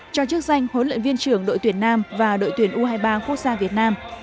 cho chức danh huấn luyện viên trưởng đội tuyển nam và đội tuyển u hai mươi ba quốc gia việt nam